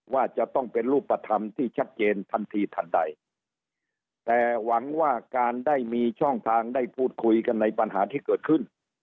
ว่าจะต้องเป็นรูปธรรมที่ชัดเจนทันทีทันใดแต่หวังว่าการได้มีช่องทางได้พูดคุยกันในปัญหาที่เกิดขึ้น